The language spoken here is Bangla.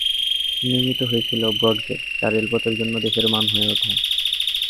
নির্মিত হয়েছিল ব্রডগেজ, যা রেলপথের জন্য দেশের মান হয়ে ওঠে।